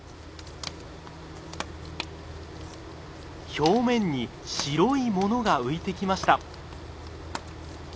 表面に白いものが浮いてきました。